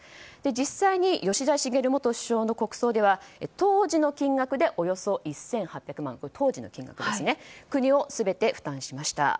実際、吉田茂元首相の国葬では当時の金額でおよそ１８００万を国が全て負担しました。